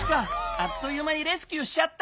あっというまにレスキューしちゃった。